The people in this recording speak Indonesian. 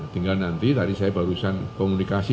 tinggal nanti tadi saya barusan komunikasi